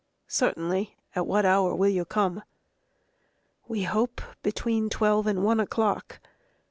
"Certainly. At what hour will you come?" "We hope, between twelve and one o'clock.